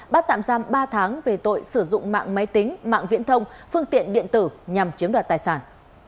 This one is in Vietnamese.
bắt tạm giam ba tháng về tội sử dụng mạng máy tính mạng viễn thông phương tiện điện tử nhằm chiếm đoạt tài sản